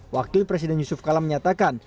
wakil presiden yusuf kala menyatakan